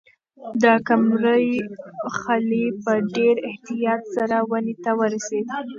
د قمرۍ خلی په ډېر احتیاط سره ونې ته ورسېد.